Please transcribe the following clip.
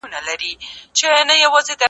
زده کوونکي به ازمایښتي څېړنه ترسره کړي.